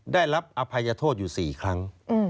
ได้รับอภัยโทษอยู่๔ครั้ง